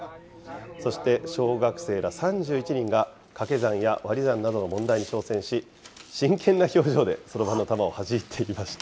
そして小学生ら３１人がかけ算や割り算などの問題に挑戦し、真剣な表情でそろばんのたまをはじいていました。